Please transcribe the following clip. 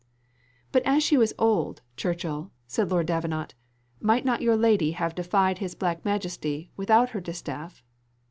"But as she was old, Churchill," said Lord Davenant, "might not your lady have defied his black majesty, without her distaff?"